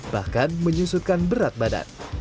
bahkan menyusutkan berat badan